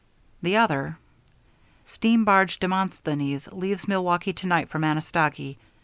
The other: Steam barge Demosthenes leaves Milwaukee to night for Manistogee.